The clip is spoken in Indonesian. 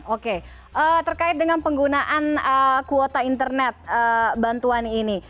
oke terkait dengan penggunaan kuota internet bantuan ini